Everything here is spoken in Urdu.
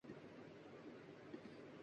میں ٹینس کھیل رہی تھی